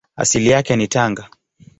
Asili yake ni Tanga.